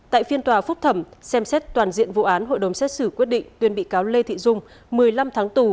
tại phiên tòa phúc thẩm xem xét toàn diện vụ án hội đồng xét xử quyết định tuyên bị cáo lê thị dung một mươi năm tháng tù